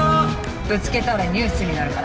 ぶつけたらニュースになるから。